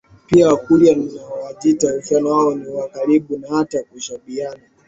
Pia Wakurya na Wajita uhusiano wao ni wa karibu na hata kushabihiana